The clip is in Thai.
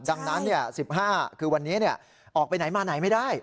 ดังนั้น๑๕คือวันนี้ออกไปไหนมาไหนไม่ได้